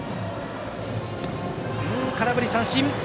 空振り三振。